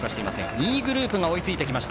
２位グループが追いついてきました。